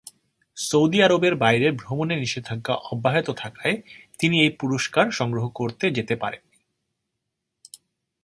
Saudi আরবের বাইরে ভ্রমণে নিষেধাজ্ঞা অব্যাহত থাকায়, তিনি এই পুরস্কার সংগ্রহ করতে যেতে পারেননি।